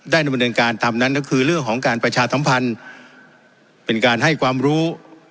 ดำเนินการตามนั้นก็คือเรื่องของการประชาสัมพันธ์เป็นการให้ความรู้